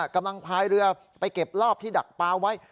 พายเรือไปเก็บรอบที่ดักปลาไว้